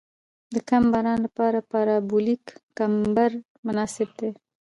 د کم باران لپاره پارابولیک کمبر مناسب دی